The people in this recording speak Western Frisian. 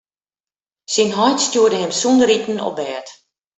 Syn heit stjoerde him sûnder iten op bêd.